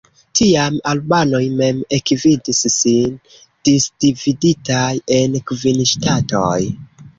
Tiam albanoj mem ekvidis sin disdividitaj en kvin ŝtatoj.